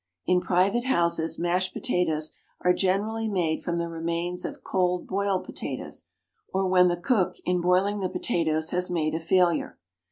In private houses mashed potatoes are generally made from the remains of cold boiled potatoes, or when the cook, in boiling the potatoes, has made a failure.